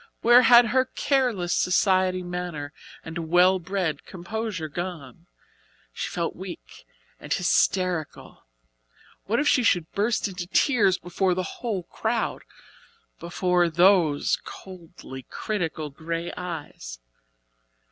Where had her careless society manner and well bred composure gone? She felt weak and hysterical. What if she should burst into tears before the whole crowd before those coldly critical grey eyes?